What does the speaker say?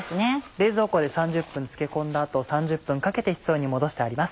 冷蔵庫で３０分漬け込んだ後３０分かけて室温にもどしてあります。